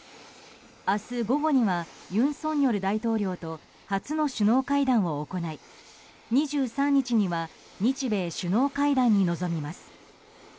明日午後には尹錫悦大統領と初の首脳会談を行い２３日には日米首脳会談に臨みます。